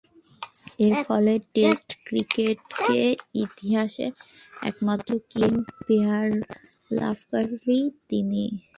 এরফলে টেস্ট ক্রিকেটের ইতিহাসে একমাত্র কিং পেয়ার লাভকারী তিনি।